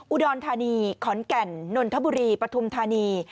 อุดรธานีขอนแก่นนนทบุรีปฐุมธานี